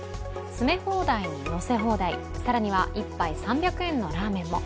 詰め放題に乗せ放題、さらには１杯３００円のラーメンも。